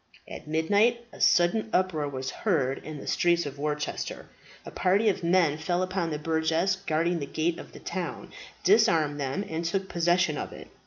At midnight a sudden uproar was heard in the streets of Worcester. A party of men fell upon the burgesses guarding the gate of the town, disarmed them, and took possession of it.